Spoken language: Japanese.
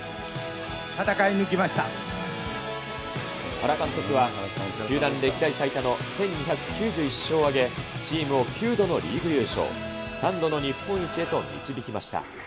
原監督は、球団歴代最多の１２９１勝を挙げ、チームを９度のリーグ優勝、３度の日本一へと導きました。